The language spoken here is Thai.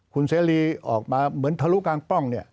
คุณเสรีออกมาเหมือนทะลุกลางป้องเนี่ย